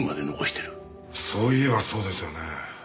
そういえばそうですよね。